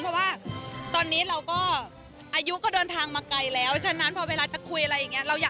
เพราะว่าตอนนี้เราก็อายุก็เดินทางมาไกลแล้วฉะนั้นพอเวลาจะคุยอะไรอย่างนี้